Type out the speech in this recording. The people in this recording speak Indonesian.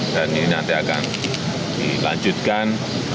dan ini nanti akan dilanjutkan